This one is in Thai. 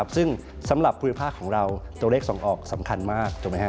ซึ่งสำหรับภูมิภาคของเราตัวเลขส่งออกสำคัญมากถูกไหมฮะ